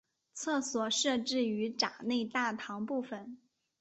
厕所设置于闸内大堂部分。